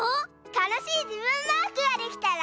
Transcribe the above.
たのしいじぶんマークができたら。